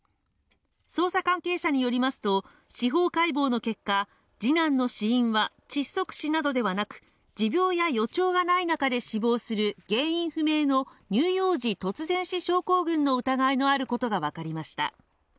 捜査関係者によりますと司法解剖の結果次男の死因は窒息死などではなく持病や予兆がない中で死亡する原因不明の乳幼児突然死症候群の疑いのあることが分かりました